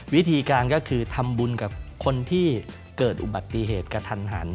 วิธีการก็คือทำบุญกับคนที่เกิดอุบัติเหตุกระทันหัน